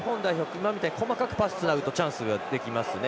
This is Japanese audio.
今みたいに細かくパスをつなぐとチャンスができますね。